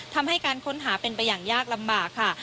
ทำให้การค้นหาเป็นไปอย่างยากลำบากค่ะ